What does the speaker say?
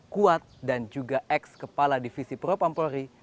kuat dan juga ex kepala divisi pro pampolri